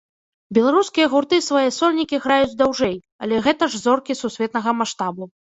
Беларускія гурты свае сольнікі граюць даўжэй, але гэта ж зоркі сусветнага маштабу.